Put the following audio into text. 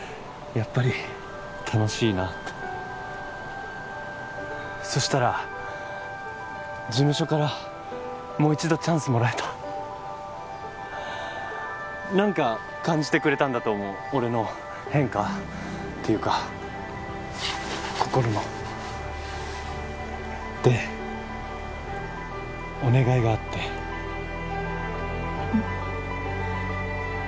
やっぱり楽しいなってそしたら事務所からもう一度チャンスもらえた何か感じてくれたんだと思う俺の変化っていうか心のでお願いがあってうん？